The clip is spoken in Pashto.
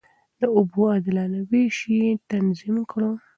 د اوبو عادلانه وېش يې تنظيم کړ.